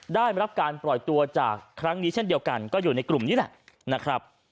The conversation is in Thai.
ได้รับการปล่อยตัวจากครั้งนี้เช่นเดียวกันก็อยู่ในกลุ่มนี้แหละนะครับ